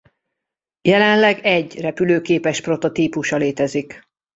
Jelenleg egy repülőképes prototípusa létezik.